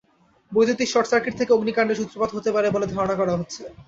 বৈদ্যুতিক শর্টসার্কিট থেকে অগ্নিকাণ্ডের সূত্রপাত হতে পারে বলে ধারণা করা হচ্ছে।